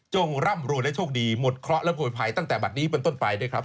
ร่ำรวยและโชคดีหมดเคราะห์และโวยภัยตั้งแต่บัตรนี้เป็นต้นไปด้วยครับ